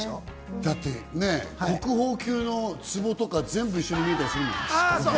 だってね、国宝級のツボとか一緒に見えたりするもん。